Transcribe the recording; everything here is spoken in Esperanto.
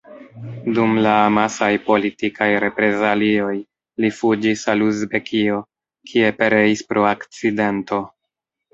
Dum la amasaj politikaj reprezalioj li fuĝis al Uzbekio, kie pereis pro akcidento.